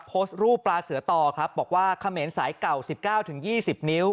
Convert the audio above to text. โพสต์รูปปลาเสือตอครับบอกว่าเขมรสายเก่าสิบเก้าถึงยี่สิบนิ้ว